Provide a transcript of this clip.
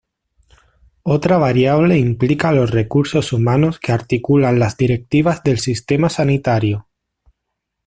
Otra variable implica los recursos humanos que articulan las directivas del sistema sanitario.